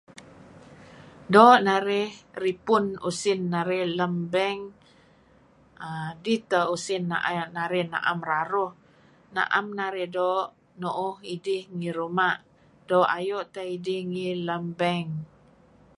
Doo' narih ripun usin narih lan bank. uhm dih tah usin narih am raruh. Naem narih nuuh idih ngi ruma' doo' ayu' teh narih nuuh idih lem bank.